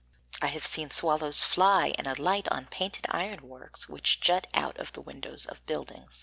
I have seen swallows fly and alight on painted iron works which jut out of the windows of buildings.